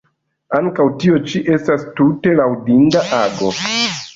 Ankaŭ tio ĉi estas tute laŭdinda ago.